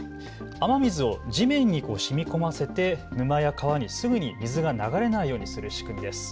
雨水を地面にしみこませて沼や川にすぐに水が流れないようにする仕組みです。